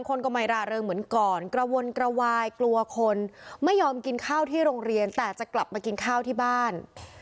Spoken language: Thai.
กลัวคนไม่ยอมกินข้าวที่โรงเรียนแต่จะกลับมากินข้าวที่บ้าน